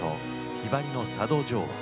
「ひばりの佐渡情話」。